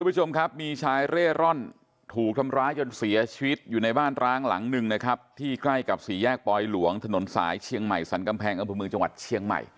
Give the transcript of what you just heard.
ผู้ชมครับมีชายเร่ร่อนถูกทำร้ายจนเสียชีวิตอยู่ในบ้านร้างหลังหนึ่งนะครับที่ใกล้กับสี่แยกปลอยหลวงถนนสายเชียงใหม่สรรกำแพงอำเภอเมืองจังหวัดเชียงใหม่